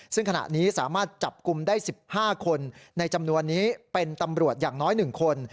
ซึ่งขณะนี้สามารถจับกลุ่มได้๑๕คนในจำนวนนี้เป็นตำรวจอย่างน้อย๑คน